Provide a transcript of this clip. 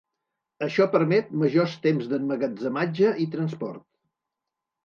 Això permet majors temps d'emmagatzematge i transport.